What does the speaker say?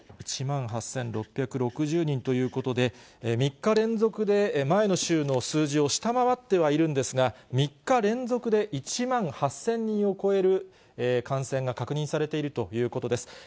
１万８６６０人ということで、３日連続で前の週の数字を下回ってはいるんですが、３日連続で１万８０００人を超える感染が確認されているということです。